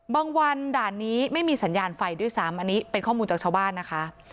วันด่านนี้ไม่มีสัญญาณไฟด้วยซ้ำอันนี้เป็นข้อมูลจากชาวบ้านนะคะ